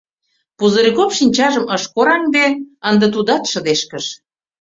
Пузырьков шинчажым ыш кораҥде, ынде тудат шыдешкыш.